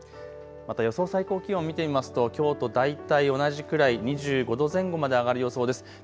また予想最高気温、見てみますときょうと大体同じくらい２５度前後まで上がる予想です。